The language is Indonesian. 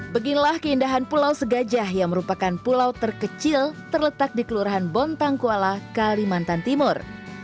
beginilah keindahan pulau segajah yang merupakan pulau terkecil terletak di kelurahan bontang kuala kalimantan timur